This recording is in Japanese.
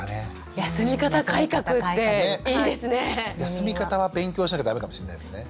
休み方は勉強しなきゃダメかもしれないですね